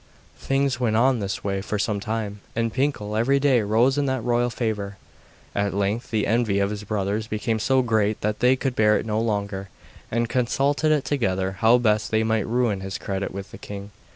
Things went on this way for some time, and Pinkel every day rose in the royal favour. At length the envy of his brothers became so great that they could bear it no longer, and consulted together how best they might ruin his credit with the king.